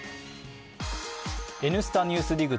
「Ｎスタ・ＮＥＷＳＤＩＧ」